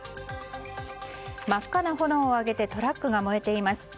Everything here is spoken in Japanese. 真っ赤な炎を上げてトラックが燃えています。